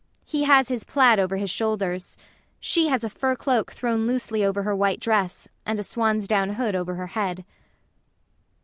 He has his plaid over his shoulders; she has a fur cloak thrown loosely over her white dress, and a swansdown hood over her head.